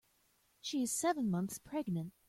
She is seven months pregnant.